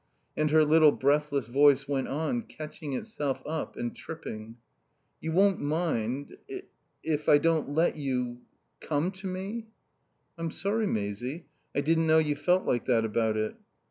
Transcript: And her little breathless voice went on, catching itself up and tripping. "You won't mind if I don't let you come to me?" "I'm sorry, Maisie. I didn't know you felt like that about it."